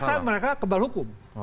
merasa mereka kebal hukum